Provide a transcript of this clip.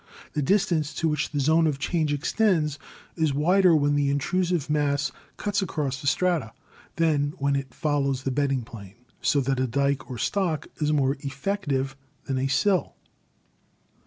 The distance to which the zone of change extends is wider when the intrusive mass cuts across the strata than when it follows the bedding plane, so that a dyke or stock is more effective than a sill.